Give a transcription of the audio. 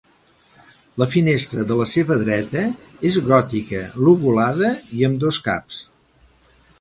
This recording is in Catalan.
La finestra de la seva dreta és gòtica, lobulada i amb dos caps.